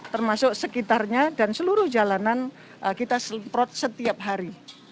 termasuk sekitarnya dan seluruh jalanan kita semprot setiap hari